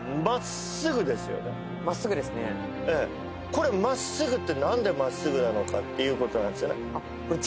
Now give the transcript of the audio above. これ何で真っすぐなのかっていうことなんですよね。